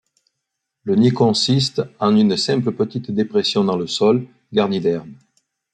Le nid consiste en une simple petite dépression dans le sol, garnie d’herbes.